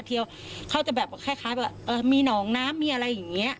เที่ยวเขาจะแบบคล้ายแบบเออมีหนองน้ำมีอะไรอย่างนี้